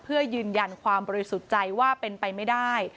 เพื่อยืนยันความบริสุทธิ์ใจว่าเป็นไปไม่ได้